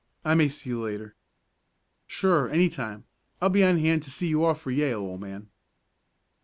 "I may see you later." "Sure, any time. I'll be on hand to see you off for Yale, old man."